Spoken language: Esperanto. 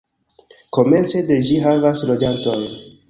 Komence de ĝi havis loĝantojn.